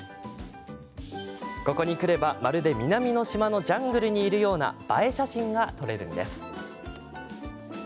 ここに来れば、まるで南の島のジャングルにいるような映え写真が撮れるんです。